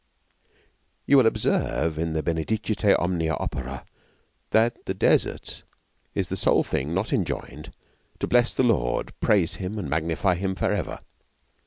You will observe in the Benedicite Omnia Opera that the Desert is the sole thing not enjoined to 'bless the Lord, praise Him and magnify Him for ever.'